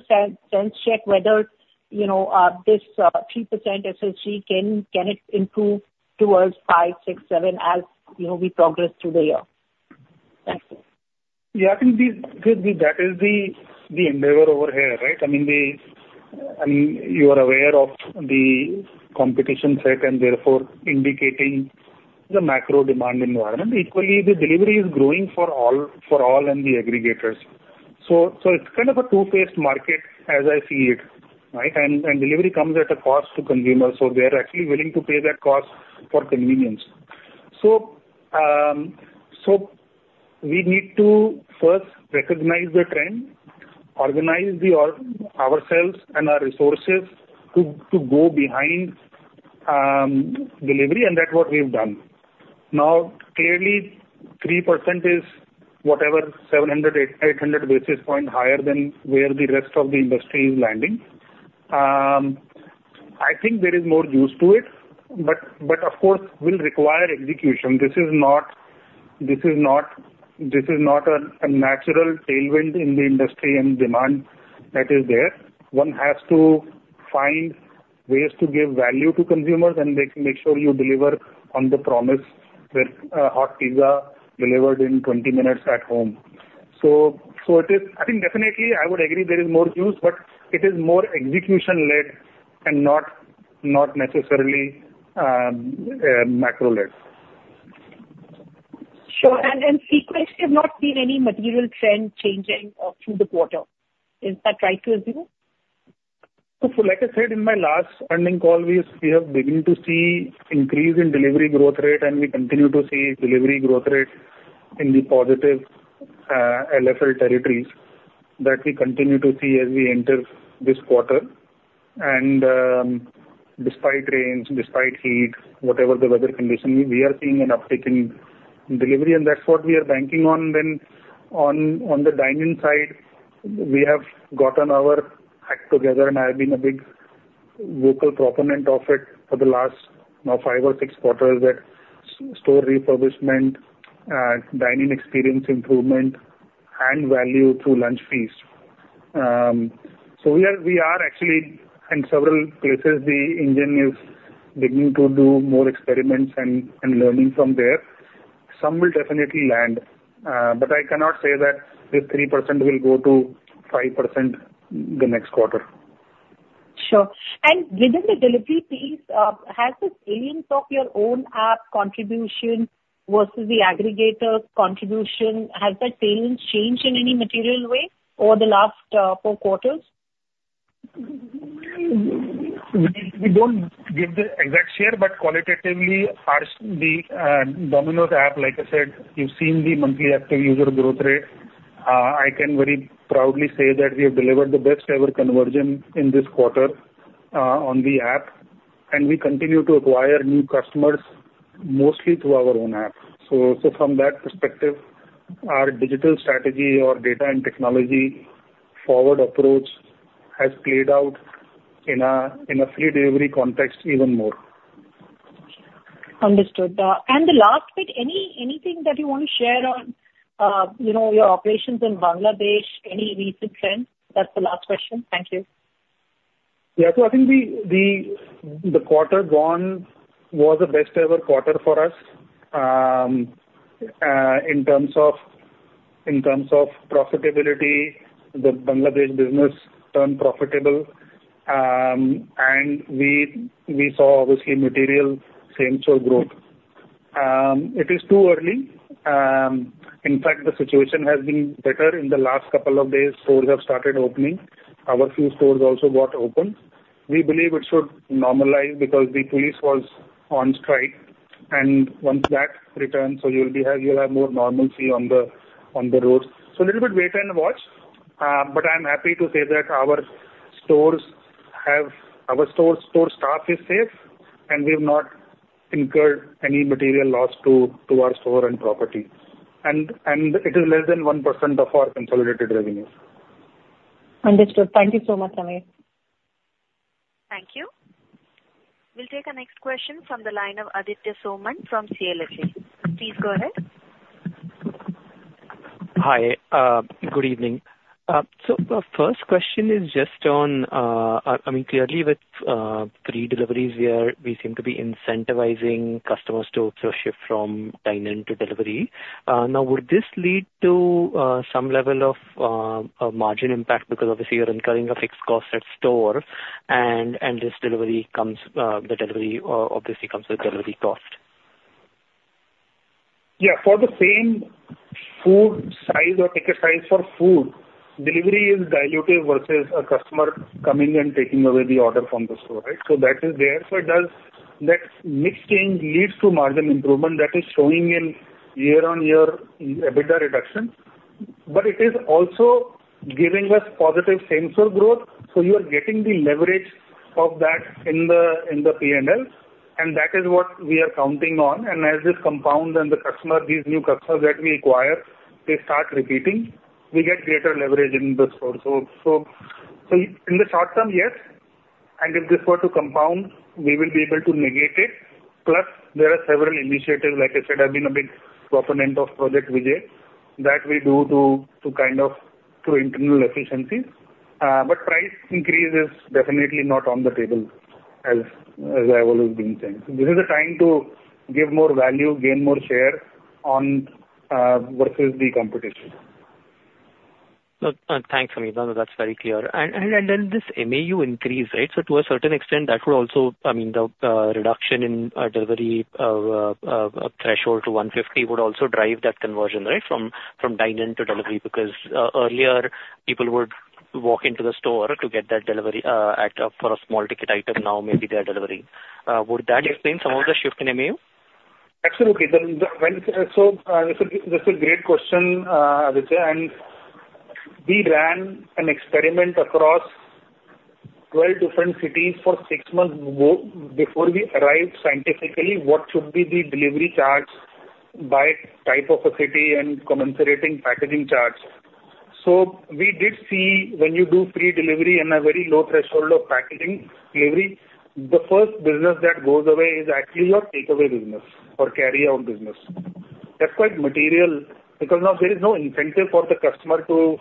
sense check whether, you know, this 3% SSG can it improve towards 5, 6, 7, as you know, we progress through the year? Thank you. Yeah, I think that is the endeavor over here, right? I mean, you are aware of the competition set and therefore indicating the macro demand environment. Equally, the delivery is growing for all and the aggregators. So, it's kind of a two-faced market as I see it, right? And delivery comes at a cost to consumers, so they are actually willing to pay that cost for convenience. So, we need to first recognize the trend, organize ourselves and our resources to go behind delivery, and that's what we've done. Now, clearly, 3% is whatever, 800 basis point higher than where the rest of the industry is landing. I think there is more juice to it, but of course, will require execution. This is not a natural tailwind in the industry and demand that is there. One has to find ways to give value to consumers, and they make sure you deliver on the promise that hot pizza delivered in 20 minutes at home. So it is. I think definitely I would agree there is more juice, but it is more execution-led and not necessarily macro-led. Sure. And sequence, you've not seen any material trend changing through the quarter. Is that right to assume? So, like I said in my last earnings call, we have begun to see increase in delivery growth rate, and we continue to see delivery growth rate in the positive, LFL territories that we continue to see as we enter this quarter. Despite rains, despite heat, whatever the weather condition, we are seeing an uptick in delivery, and that's what we are banking on. Then on the dine-in side, we have gotten our act together, and I have been a big vocal proponent of it for the last now five or six quarters, where store refurbishment, dine-in experience improvement, and value through Lunch Feast. So we are actually in several places, the engine is beginning to do more experiments and learning from there. Some will definitely land, but I cannot say that this 3% will go to 5% the next quarter. Sure. And within the delivery fees, has the inroads of your own app contribution versus the aggregator contribution, has that balance changed in any material way over the last four quarters? We don't give the exact share, but qualitatively, our Domino's app, like I said, you've seen the monthly active user growth rate. I can very proudly say that we have delivered the best ever conversion in this quarter, on the app, and we continue to acquire new customers mostly through our own app. So from that perspective, our digital strategy or data and technology forward approach has played out in a free delivery context even more. Understood. And the last bit, anything that you want to share on, you know, your operations in Bangladesh? Any recent trends? That's the last question. Thank you. Yeah. So I think the quarter one was the best ever quarter for us. In terms of profitability, the Bangladesh business turned profitable, and we saw obviously material same-store growth. It is too early. In fact, the situation has been better in the last couple of days. Stores have started opening. Our few stores also got opened. We believe it should normalize because the police was on strike, and once that returns, so you'll have more normalcy on the roads. So a little bit wait and watch, but I'm happy to say that our store staff is safe, and we've not incurred any material loss to our store and property. And it is less than 1% of our consolidated revenue. Understood. Thank you so much, Sameer. Thank you. We'll take our next question from the line of Aditya Soman from CLSA. Please go ahead. Hi. Good evening. So the first question is just on, I mean, clearly with free deliveries, we are, we seem to be incentivizing customers to sort of shift from dine-in to delivery. Now, would this lead to some level of a margin impact? Because obviously you're incurring a fixed cost at store and this delivery comes, the delivery obviously comes with delivery cost. Yeah. For the same food size or ticket size for food, delivery is dilutive versus a customer coming and taking away the order from the store, right? So that is there. So it does. That mix change leads to margin improvement. That is showing in year-on-year EBITDA reduction, but it is also giving us positive same-store growth, so you are getting the leverage of that in the PNL, and that is what we are counting on. And as this compounds and the customer, these new customers that we acquire, they start repeating, we get greater leverage in the store. So in the short term, yes, and if this were to compound, we will be able to negate it. Plus, there are several initiatives, like I said, I've been a big proponent of Project Vijay, that we do to kind of internal efficiency. But price increase is definitely not on the table as I have always been saying. This is a time to give more value, gain more share on versus the competition. Thanks, Sameer. No, no, that's very clear. And then this MAU increase, right? So to a certain extent, that would also, I mean, the reduction in delivery threshold to 150 would also drive that conversion, right? From dine-in to delivery, because earlier people would walk into the store to get that delivery at for a small ticket item. Now, maybe they are delivering. Would that explain some of the shift in MAU? Absolutely. The, when, so, this is a great question, Aditya, and we ran an experiment across 12 different cities for 6 months before we arrived scientifically at what should be the delivery charge by type of a city and commensurating packaging charge. So we did see when you do free delivery and a very low threshold of packaging delivery, the first business that goes away is actually your takeaway business or carryout business. That's quite material because now there is no incentive for the customer to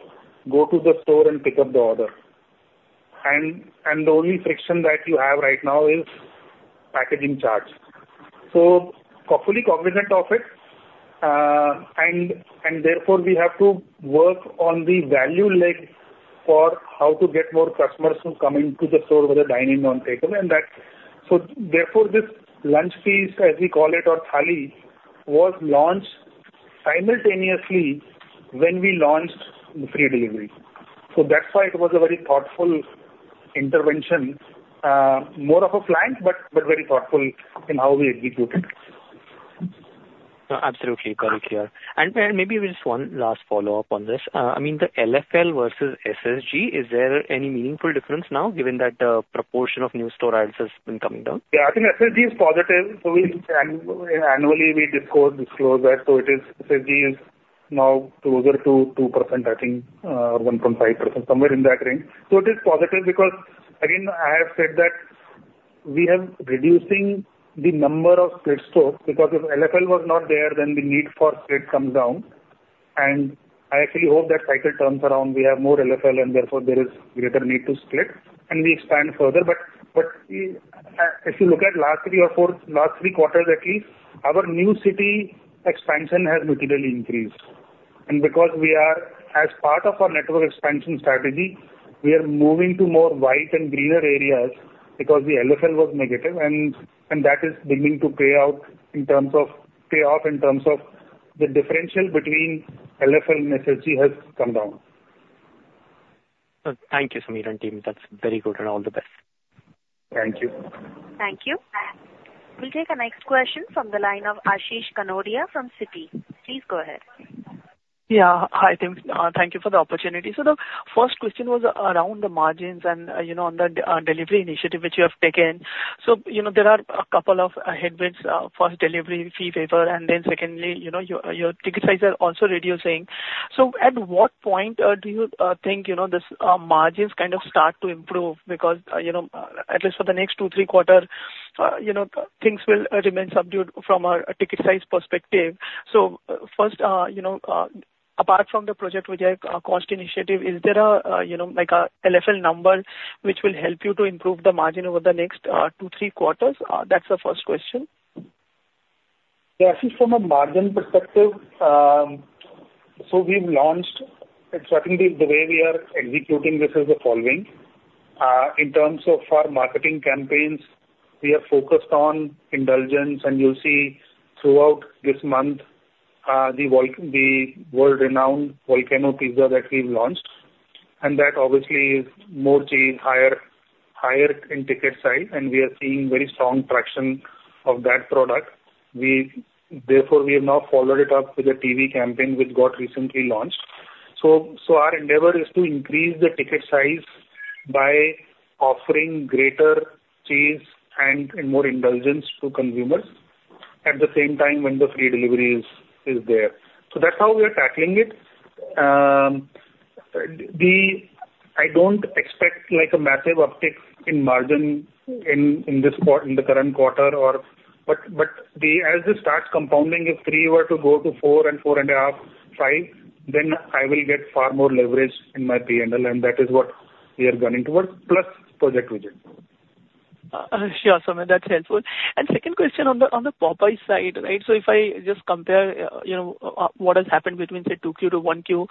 go to the store and pick up the order. And the only friction that you have right now is packaging charge. So we're fully cognizant of it, and therefore, we have to work on the value leg for how to get more customers to come into the store, whether dine in or take away, and that. So therefore, this lunch piece, as we call it, or thali, was launched simultaneously when we launched the free delivery. So that's why it was a very thoughtful intervention, more of a plan, but very thoughtful in how we execute it. Absolutely. Very clear. And maybe just one last follow-up on this. I mean, the LFL versus SSG, is there any meaningful difference now, given that the proportion of new store adds has been coming down? Yeah, I think SSG is positive, so we annually disclose that. So it is, SSG is now closer to 2%, I think, or 1.5%, somewhere in that range. So it is positive because, again, I have said that we are reducing the number of split stores, because if LFL was not there, then the need for split comes down. And I actually hope that cycle turns around. We have more LFL and therefore there is greater need to split and we expand further. But if you look at last three or four, last three quarters at least, our new city expansion has materially increased. Because we are, as part of our network expansion strategy, we are moving to more wider and greener areas because the LFL was negative, and that is beginning to pay off in terms of the differential between LFL and SSG has come down. Thank you, Sameer and team. That's very good and all the best. Thank you. Thank you. We'll take the next question from the line of Ashish Kanodia from Citi. Please go ahead. Yeah. Hi, team. Thank you for the opportunity. So the first question was around the margins and, you know, on the delivery initiative which you have taken. So, you know, there are a couple of headwinds. First, delivery fee waiver, and then secondly, you know, your ticket sizes are also reducing. So at what point do you think, you know, this margins kind of start to improve? Because, you know, at least for the next two, three quarter, you know, things will remain subdued from a ticket size perspective. So, first, you know, apart from the Project Vijay cost initiative, is there a, you know, like a LFL number, which will help you to improve the margin over the next two, three quarters? That's the first question.... Yeah, I think from a margin perspective, so we've launched, and certainly the way we are executing this is the following. In terms of our marketing campaigns, we are focused on indulgence, and you'll see throughout this month, the world-renowned Volcano pizza that we've launched, and that obviously is more cheese, higher, higher in ticket size, and we are seeing very strong traction of that product. We therefore, we have now followed it up with a TV campaign, which got recently launched. So, so our endeavor is to increase the ticket size by offering greater cheese and, and more indulgence to consumers at the same time when the free delivery is, is there. So that's how we are tackling it. I don't expect like a massive uptick in margin in, in the current quarter or... But as this starts compounding, if 3 were to go to 4 and 4.5, 5, then I will get far more leverage in my P&L, and that is what we are gunning towards, plus Project Vijay. Sure, Sameer, that's helpful. And second question on the Popeyes side, right? So if I just compare, you know, what has happened between, say, 2Q to 1Q,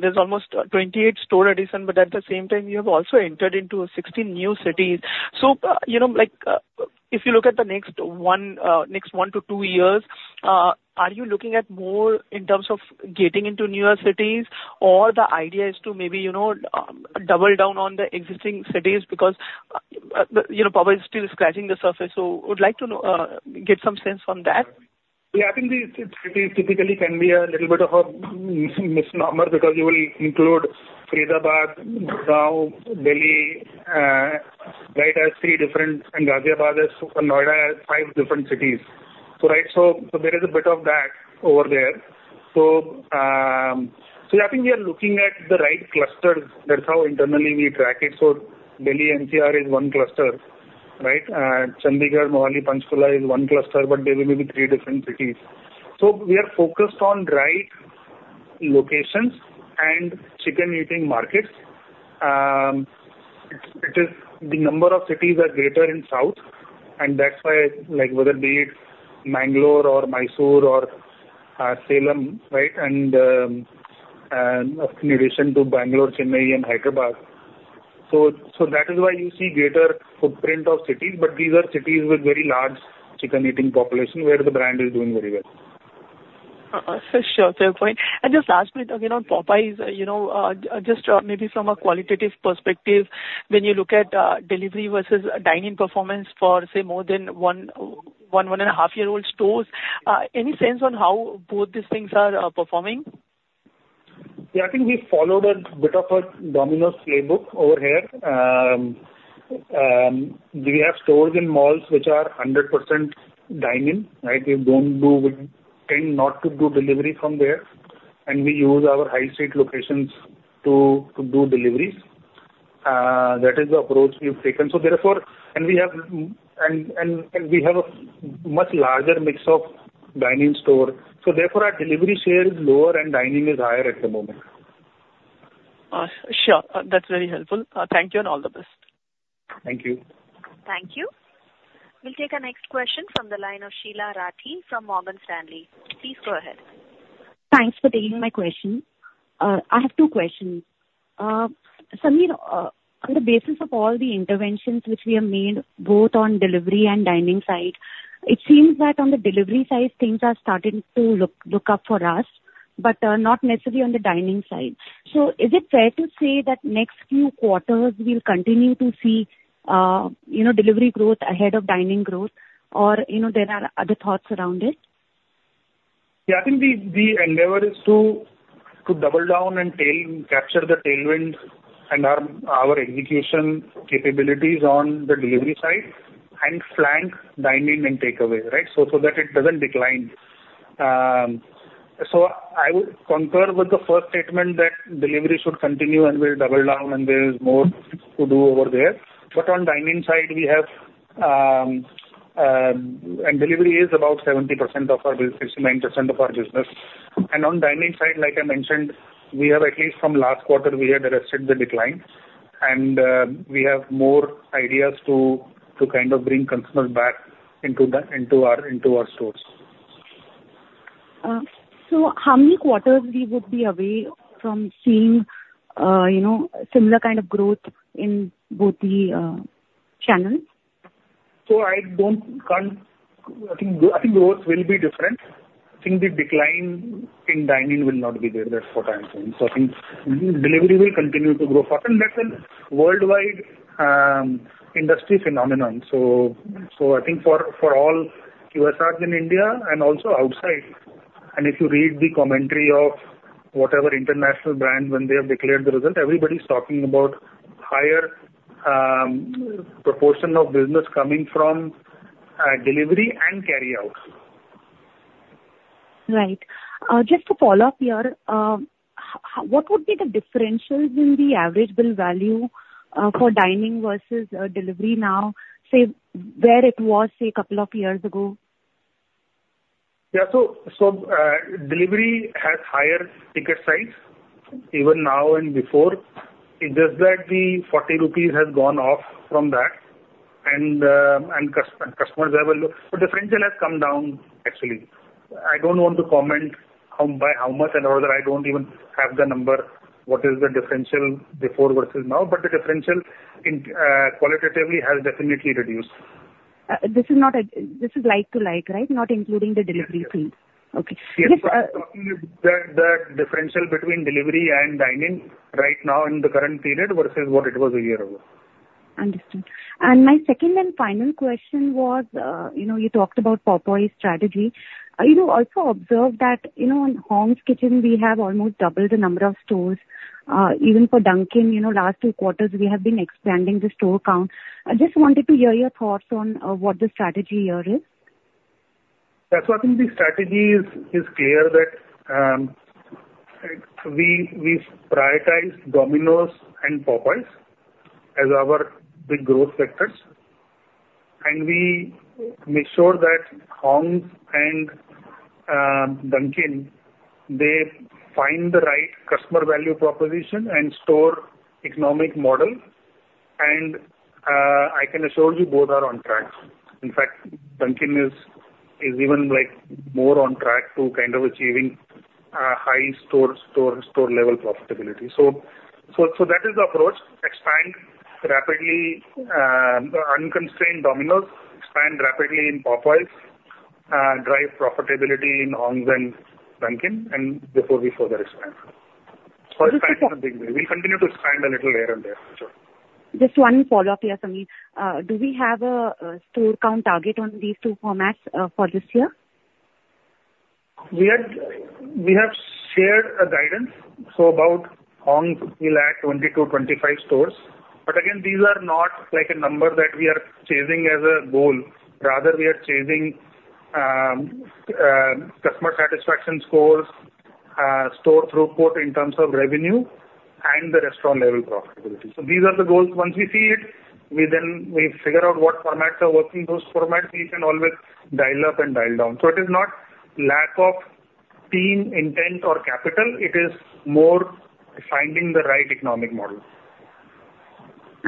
there's almost 28 store addition, but at the same time, you have also entered into 60 new cities. So, you know, like, if you look at the next one to two years, are you looking at more in terms of getting into newer cities? Or the idea is to maybe, you know, double down on the existing cities because, you know, Popeyes is still scratching the surface, so would like to know, get some sense on that. Yeah, I think the cities typically can be a little bit of a misnomer, because you will include Faridabad, Gurgaon, Delhi, right, as three different, and Ghaziabad as, and Noida, as five different cities. So right, so there is a bit of that over there. So I think we are looking at the right clusters. That's how internally we track it. So Delhi NCR is one cluster, right? Chandigarh, Mohali, Panchkula is one cluster, but they will be the three different cities. So we are focused on right locations and chicken-eating markets. It is the number of cities are greater in South, and that's why, like, whether it be Bangalore or Mysore or, Salem, right? And in addition to Bangalore, Chennai and Hyderabad. So, that is why you see greater footprint of cities, but these are cities with very large chicken-eating population, where the brand is doing very well. Sure, fair point. And just last bit again on Popeyes, you know, just maybe from a qualitative perspective, when you look at delivery versus dine-in performance for, say, more than 1.5-year-old stores, any sense on how both these things are performing? Yeah, I think we followed a bit of a Domino's playbook over here. We have stores in malls which are 100% dine-in, right? We don't do, we tend not to do delivery from there, and we use our high street locations to do deliveries. That is the approach we've taken. So therefore... And we have a much larger mix of dine-in store. So therefore, our delivery share is lower and dine-in is higher at the moment. Sure. That's very helpful. Thank you, and all the best. Thank you. Thank you. We'll take our next question from the line of Sheela Rathi from Morgan Stanley. Please go ahead. Thanks for taking my question. I have two questions. Sameer, on the basis of all the interventions which we have made, both on delivery and dine-in side, it seems that on the delivery side, things are starting to look, look up for us, but not necessarily on the dine-in side. So is it fair to say that next few quarters we'll continue to see, you know, delivery growth ahead of dine-in growth? Or, you know, there are other thoughts around it? Yeah, I think the endeavor is to double down and tail-capture the tailwinds and our execution capabilities on the delivery side and flank dine-in and takeaway, right? So that it doesn't decline. So I would concur with the first statement that delivery should continue, and we'll double down, and there is more to do over there. But on dine-in side, we have... And delivery is about 70% of our business, 69% of our business. And on dine-in side, like I mentioned, we have at least from last quarter, we had arrested the decline, and we have more ideas to kind of bring customers back into our stores. So how many quarters we would be away from seeing, you know, similar kind of growth in both the channels? So I don't, can't... I think both will be different. I think the decline in dine-in will not be there. That's what I'm saying. So I think delivery will continue to grow fast, and that's a worldwide industry phenomenon. So I think for all QSRs in India and also outside, and if you read the commentary of whatever international brand, when they have declared the results, everybody's talking about higher proportion of business coming from delivery and carryout. Right. Just to follow up here, what would be the differentials in the average bill value for dine-in versus delivery now, say, where it was, say, couple of years ago? Yeah, so, so, delivery has higher ticket size, even now and before. It's just that the 40 rupees has gone off from that, and the differential has come down, actually. I don't want to comment how, by how much and all that, I don't even have the number, what is the differential before versus now, but the differential in, qualitatively has definitely reduced. This is like-for-like, right? Not including the delivery fee. Yes, yes. Okay. Just, Yes, talking the differential between delivery and dine-in right now in the current period versus what it was a year ago. Understood. And my second and final question was, you know, you talked about Popeyes strategy. You know, also observed that, you know, in Hong's Kitchen, we have almost doubled the number of stores. Even for Dunkin, you know, last two quarters, we have been expanding the store count. I just wanted to hear your thoughts on what the strategy here is. That's why I think the strategy is clear that we prioritize Domino's and Popeyes as our big growth vectors, and we make sure that Hong's and Dunkin' they find the right customer value proposition and store economic model. And I can assure you, both are on track. In fact, Dunkin' is even like more on track to kind of achieving high store-level profitability. So that is the approach. Expand rapidly unconstrained Domino's, expand rapidly in Popeyes, drive profitability in Hong's and Dunkin', and before we further expand. We'll continue to expand a little here and there as well. Just one follow-up here, Sameer. Do we have a store count target on these two formats for this year? We are, we have shared a guidance, so about Hong's, we'll add 20-25 stores. But again, these are not like a number that we are chasing as a goal. Rather, we are chasing customer satisfaction scores, store throughput in terms of revenue, and the restaurant-level profitability. So these are the goals. Once we see it, we then figure out what formats are working. Those formats, we can always dial up and dial down. So it is not lack of team intent or capital, it is more finding the right economic model.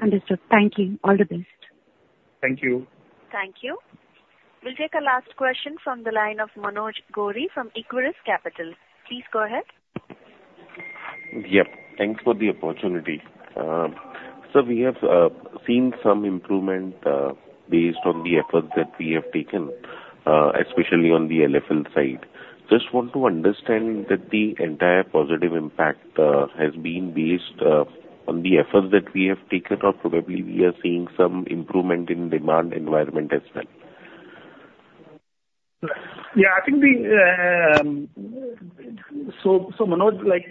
Understood. Thank you. All the best. Thank you. Thank you. We'll take a last question from the line of Manoj Gori from Equirus Securities. Please go ahead. Yep. Thanks for the opportunity. So we have seen some improvement based on the efforts that we have taken, especially on the LFL side. Just want to understand that the entire positive impact has been based on the efforts that we have taken, or probably we are seeing some improvement in demand environment as well? Yeah, I think. So, Manoj, like,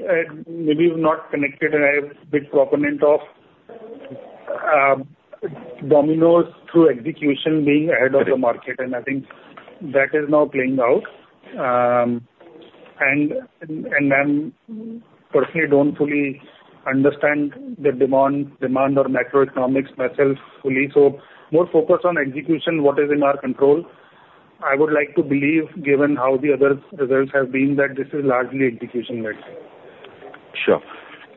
maybe you've not connected, and I'm a big proponent of Domino's through execution being ahead of the market, and I think that is now playing out. And I personally don't fully understand the demand or macroeconomics myself fully, so more focused on execution, what is in our control. I would like to believe, given how the other results have been, that this is largely execution-led. Sure.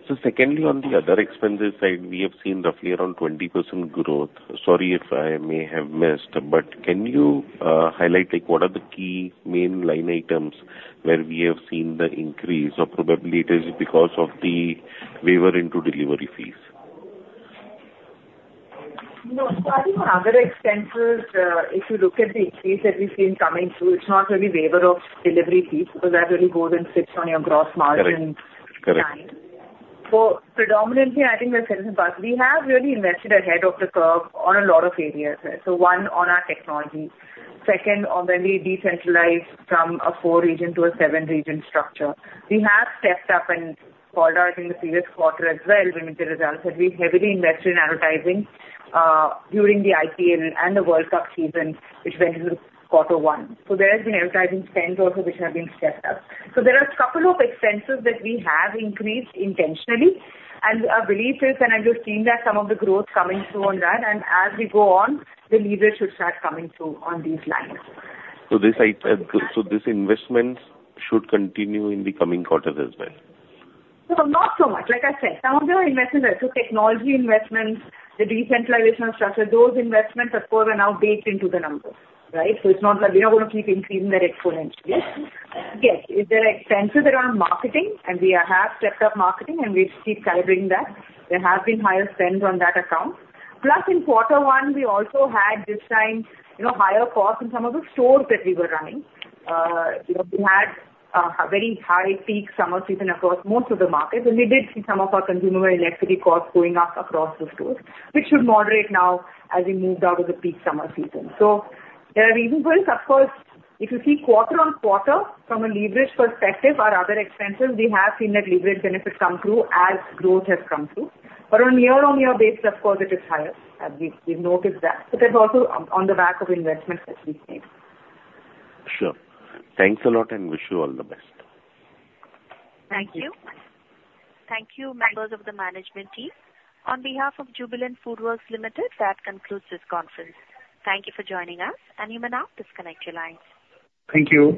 So secondly, on the other expenses side, we have seen roughly around 20% growth. Sorry if I may have missed, but can you, highlight, like, what are the key main line items where we have seen the increase, or probably it is because of the waiver into delivery fees? No, so I think on other expenses, if you look at the increase that we've seen coming through, it's not really waiver of delivery fees, because that really goes and sits on your gross margin- Correct. Correct. So predominantly, I think we're seeing, but we have really invested ahead of the curve on a lot of areas. So one, on our technology. Second, on when we decentralized from a four-region to a seven-region structure. We have stepped up and called out in the previous quarter as well, when the results have been heavily invested in advertising, during the IPL and the World Cup season, which went into quarter one. So there has been advertising spends also, which have been stepped up. So there are a couple of expenses that we have increased intentionally, and our belief is, and as you've seen, that some of the growth coming through on that, and as we go on, the leverage should start coming through on these lines. So these investments should continue in the coming quarters as well? So not so much. Like I said, some of them are investments, so technology investments, the decentralization of structure, those investments, of course, are now baked into the numbers, right? So it's not like we are going to keep increasing that exponentially. Yes, there are expenses around marketing, and we are, have stepped up marketing, and we'll keep calibrating that. There have been higher spends on that account. Plus, in quarter one, we also had this time, you know, higher costs in some of the stores that we were running. You know, we had a very high peak summer season across most of the markets, and we did see some of our consumable and utility costs going up across the stores, which should moderate now as we move out of the peak summer season. So there are reasons, but of course, if you see quarter-on-quarter from a leverage perspective, our other expenses, we have seen that leverage benefit come through as growth has come through. But on year-on-year basis, of course, it is higher, as we've noticed that, but that's also on the back of investments that we've made. Sure. Thanks a lot, and wish you all the best. Thank you. Thank you, members of the management team. On behalf of Jubilant FoodWorks Limited, that concludes this conference. Thank you for joining us, and you may now disconnect your lines. Thank you.